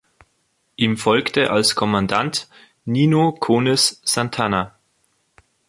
Ihm folgte als Kommandant Nino Konis Santana.